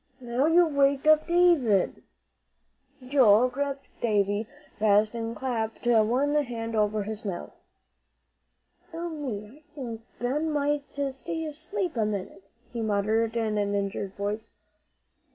Now you've waked up David." Joel gripped Davie fast and clapped one hand over his mouth. "Dear me, I think Ben might stay asleep a minute," he muttered in an injured voice.